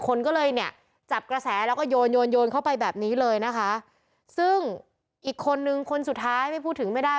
คนก็เลยเนี่ยจับกระแสแล้วก็โยนโยนโยนเข้าไปแบบนี้เลยนะคะซึ่งอีกคนนึงคนสุดท้ายไม่พูดถึงไม่ได้